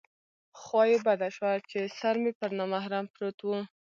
خوا یې بده شوه چې سر مې پر نامحرم پروت و.